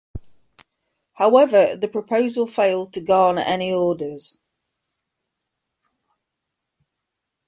However, the proposal failed to garner any orders.